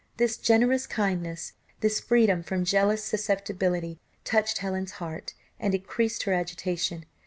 This generous kindness, this freedom from jealous susceptibility, touched Helen's heart, and increased her agitation.